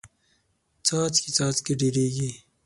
څاڅکې څاڅکې ډېریږي.